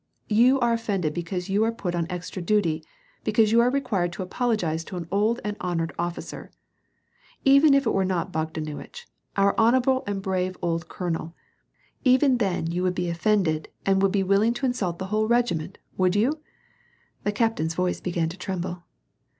You are offended because you are put on extra duty, because you are required to apologize to an old and hon ored officer ! Even if it were not Bogdanuitch, our honorable and brave old colonel, even then you would be offended and would be willing to insult the whole regiment, would you ?" The captain's voice began to tremble.